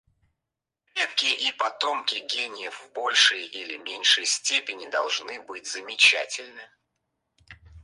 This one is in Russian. Предки и потомки гениев в большей или меньшей степени должны быть замечательны.